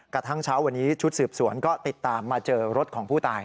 กระทั่งเช้าวันนี้ชุดสืบสวนก็ติดตามมาเจอรถของผู้ตาย